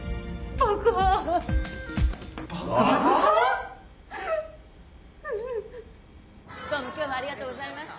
爆破⁉どうも今日はありがとうございました。